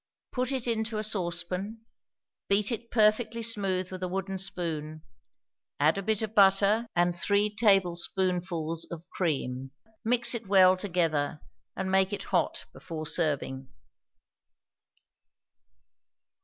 Put it into a saucepan; beat it perfectly smooth with a wooden spoon; add a bit of butter, and three tablespoonfuls of cream. Mix it well together, and make it hot before serving.